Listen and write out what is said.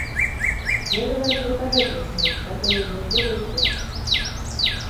Я говорю вот об этой книге, которую держу в руке.